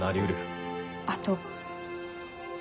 あと。